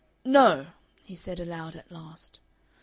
"No!" he said aloud at last.